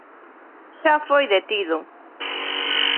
Xa foi detido.